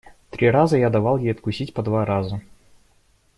Три раза я давал ей откусить по два раза.